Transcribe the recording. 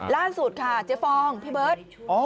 ล่าสุดค่ะเจ๊ฟองพี่เบิร์ต